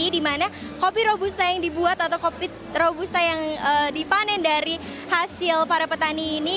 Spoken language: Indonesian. di mana kopi robusta yang dibuat atau kopi robusta yang dipanen dari hasil para petani ini